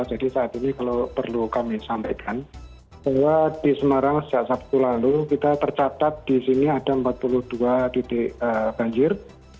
jadi saat ini kalau perlu kami sampaikan bahwa di semarang sejak sabtu lalu kita tercatat di sini ada empat puluh dua titik banjir